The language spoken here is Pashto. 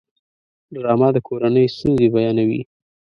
ډرامه د کورنۍ ستونزې بیانوي